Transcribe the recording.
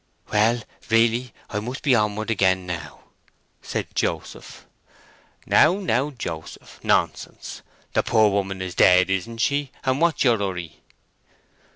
"Well, really, I must be onward again now," said Joseph. "Now, now, Joseph; nonsense! The poor woman is dead, isn't she, and what's your hurry?"